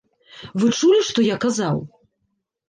Вы чулі, што я казаў?